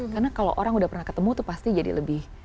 karena kalau orang udah pernah ketemu tuh pasti jadi lebih